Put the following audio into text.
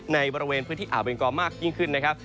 ในบริเวณพื้นที่อ่าวเบงกอมากยิ่งขึ้นนะครับ